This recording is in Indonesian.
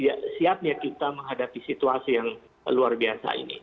ya siapnya kita menghadapi situasi yang luar biasa ini